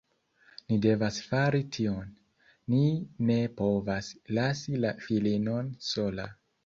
Ni devas fari tion. Ni ne povas lasi la filinon sola.